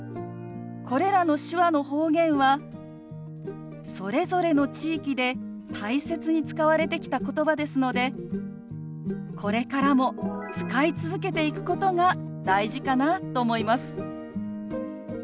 これらの手話の方言はそれぞれの地域で大切に使われてきた言葉ですのでこれからも使い続けていくことが大事かなと思います。